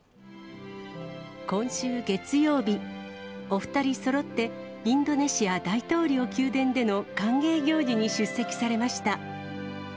今週月曜日、お２人そろって、インドネシア大統領宮殿での歓迎行事に出席されました。